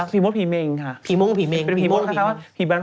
พี่เหนือชื่อพี่อะไรบ้าง